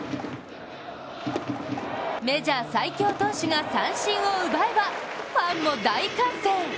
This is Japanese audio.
メジャー最強投手が三振を奪えばファンも大歓声。